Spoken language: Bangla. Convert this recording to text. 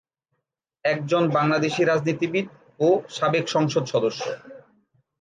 একজন বাংলাদেশী রাজনীতিবিদ ও সাবেক সংসদ সদস্য।